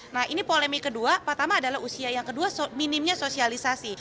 nah ini polemik kedua pertama adalah usia yang kedua minimnya sosialisasi